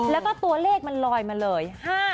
แล้วก็ตัวเลขมันลอยมาเลย